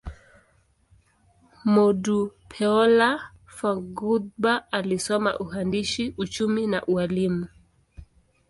Modupeola Fadugba alisoma uhandisi, uchumi, na ualimu.